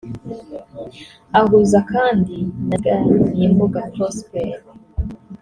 Ahuza kandi na Ziganyimbuga Prosper